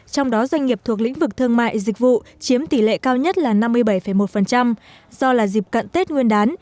trong đó doanh nghiệp thuộc lĩnh vực thương mại dịch vụ chiếm tỷ lệ cao nhất là năm mươi bảy một do là dịp cận tết nguyên đán